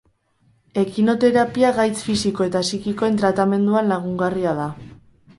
Ekinoterapia gaitz fisiko eta sikikoen tratamenduan lagungarria da.